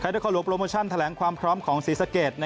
นครหลวงโปรโมชั่นแถลงความพร้อมของศรีสะเกด